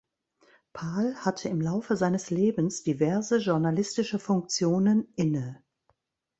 Pahl hatte im Laufe seines Lebens diverse journalistische Funktionen inne.